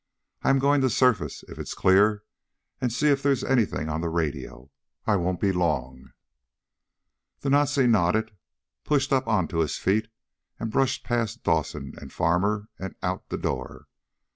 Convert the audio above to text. I am going to surface, if it's clear, and see if there is anything on the radio. I won't be long." The Nazi nodded, pushed up onto his feet and brushed past Dawson and Farmer and out the door.